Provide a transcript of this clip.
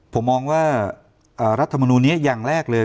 ผมมองว่ารัฐมนูลนี้อย่างแรกเลย